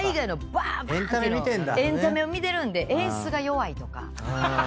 エンタメを見てるんで演出が弱いとか。